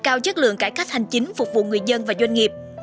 sau chất lượng cải cách hành chính phục vụ người dân và doanh nghiệp